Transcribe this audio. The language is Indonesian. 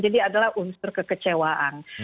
jadi adalah unsur kekecewaan